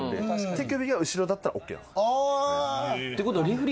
手首が後ろだったらＯＫなんです。